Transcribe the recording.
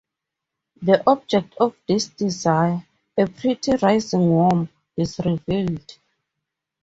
The object of his desire, "A pretty rising womb", is revealed.